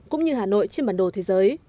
cũng như hà nội trên bản đồ thế giới